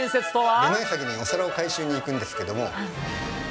出前先にお皿を回収に行くんですけれども。